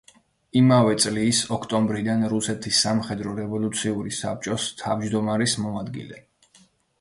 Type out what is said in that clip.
იმავე წლის ოქტომბრიდან რუსეთის სამხედრო რევოლუციური საბჭოს თავმჯდომარის მოადგილე.